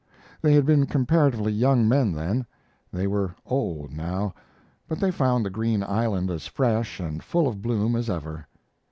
They had been comparatively young men then. They were old now, but they found the green island as fresh and full of bloom as ever.